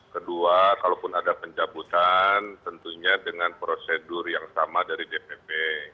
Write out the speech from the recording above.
kedua kalaupun ada pencabutan tentunya dengan prosedur yang sama dari dpp